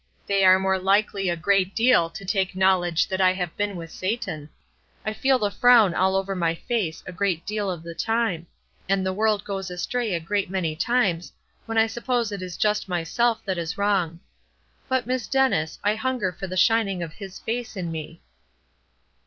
They are more likely a great deal to take knowledge that I have been with Satan. I feel the frown all over my face a great deal of the time; and the world goes astray a great many times, when I suppose it is just myself that is wrong. But, Miss Dennis, I hunger for the shining of his face in me."